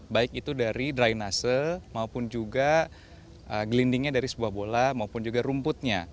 baik itu dari dry nasa maupun juga gelindingnya dari sebuah bola maupun juga rumputnya